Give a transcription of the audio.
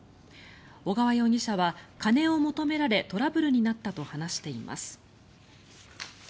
小川容疑者は金を求められトラブルになったと話しています。